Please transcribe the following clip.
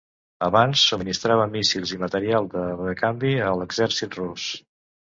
Abans, subministrava míssils i material de recanvi a l’exèrcit rus.